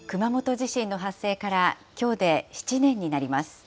さて、熊本地震の発生から、きょうで７年になります。